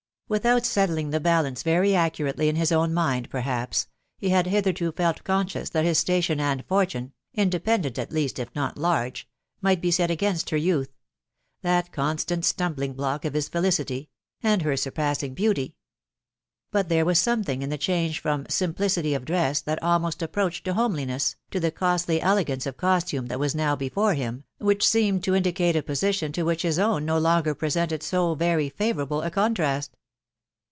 Without settling the balance very accurately in his own mind, perhaps, he had hitherto felt conscious that his station and fortune (independent at least, if not large), might be set against her youth .... that constant stumbling block of his felicity .... and her surpassing beauty. But there was something in the change from simplicity of dress that almost approached to homeliness, to the costly elegance of costume that was now before him, which seemed to indicate a position to which his own no longer presented so very favourable a contrast.